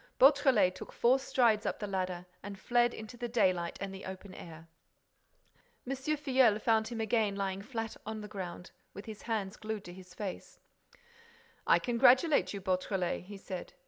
Beautrelet took four strides up the ladder and fled into the daylight and the open air. M. Filleul found him again lying flat on the around, with his hands glued to his face: "I congratulate you, Beautrelet," he said.